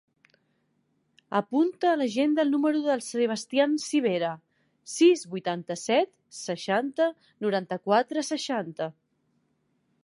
Apunta a l'agenda el número del Sebastian Civera: sis, vuitanta-set, seixanta, noranta-quatre, seixanta.